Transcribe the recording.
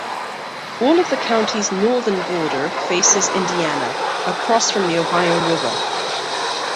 All of the county's northern border faces Indiana, across from the Ohio River.